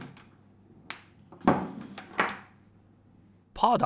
パーだ！